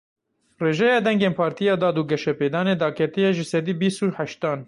Rêjeya dengên Partiya Dad û Geşepêdanê daketiye ji sedî bîs û heştan.